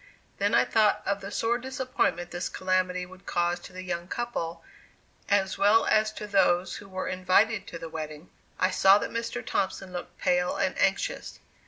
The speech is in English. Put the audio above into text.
Then I thought of the sore disappointment this calamity would cause to the young couple, as well as to those who were invited to the wedding. I saw that Mr. Thompson looked pale and anxious.